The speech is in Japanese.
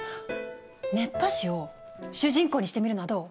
熱波師を主人公にしてみるのはどう？